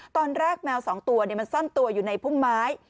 ตอนแรกแมว๒ตัวมันสั้นตัวอยู่ในพุ่มไม้